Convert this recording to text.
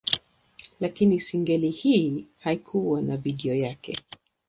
Lakini single hii haikuwa na video yake.